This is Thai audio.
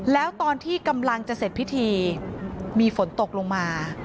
แล้วตอนที่กำลังจะเสร็จพิธีมีฝนตกลงมา